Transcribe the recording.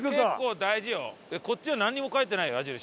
こっちはなんにも書いてないよ矢印。